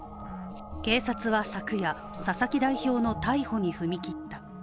警察は昨夜、佐々木代表の逮捕に踏み切った。